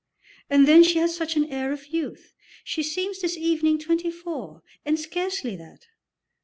And then she has such an air of youth; she seems this evening twenty four, and scarcely that.